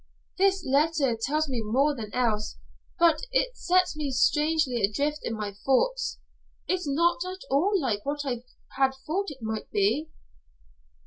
"This letter tells me more than all else, but it sets me strangely adrift in my thoughts. It's not at all like what I had thought it might be."